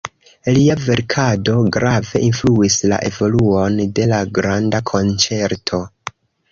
Lia verkado grave influis la evoluon de la granda konĉerto.